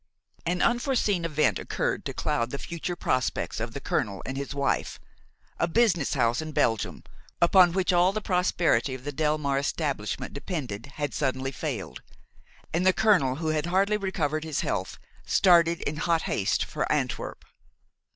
An unforeseen event occurred to cloud the future prospects of the colonel and his wife; a business house in Belgium, upon which all the prosperity of the Delmare establishment depended, had suddenly failed, and the colonel, who had hardly recovered his health, started in hot haste for Antwerp.